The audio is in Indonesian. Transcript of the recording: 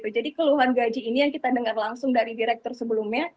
jadi keluhan gaji ini yang kita dengar langsung dari direktur sebelumnya